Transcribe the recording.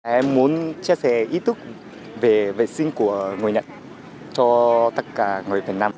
em muốn chia sẻ ý tức về vệ sinh của người nhật cho tất cả người việt nam